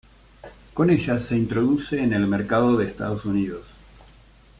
Con ellas se introduce en el mercado de Estados Unidos.